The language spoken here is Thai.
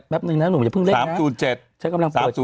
แป๊บนึงนะหนุ่มอย่าเพิ่งเลขนะ๓๐๗